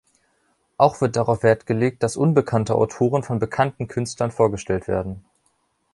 Auch wird darauf Wert gelegt, dass unbekannte Autoren von bekannten Künstlern vorgestellt werden.